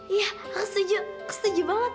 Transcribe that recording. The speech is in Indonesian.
iya aku setuju setuju banget